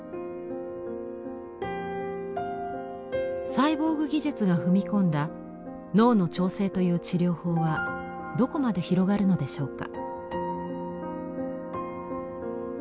サイボーグ技術が踏み込んだ脳の調整という治療法はどこまで広がるのでしょうか。